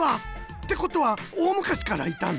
ってことはおおむかしからいたの？